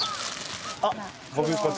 あっ！